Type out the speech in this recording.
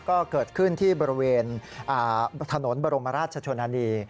ก็เกิดขึ้นที่บริเวณถนนบรมราชชนนานี